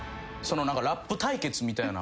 ラップ対決みたいな。